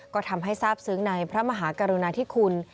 ก็ทำให้ทราบซึ้งในพระมหากรุณาธิคุณ